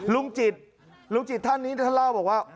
ลุงจิตลุงจิตท่านนี้ท่านเล่าบอกว่า